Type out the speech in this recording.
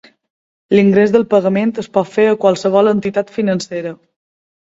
L'ingrés del pagament es pot fer a qualsevol entitat financera.